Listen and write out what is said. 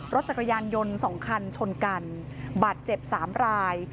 รถจักรยานยนต์๒คันชนกันบาดเจ็บ๓ราย